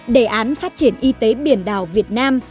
đề án phát triển y tế biển đảo việt nam